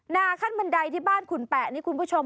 ขั้นบันไดที่บ้านขุนแปะนี่คุณผู้ชม